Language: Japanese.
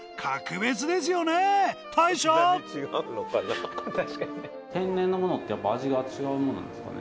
淵好織奪奸天然のものってやっぱり味が違うものなんですかね？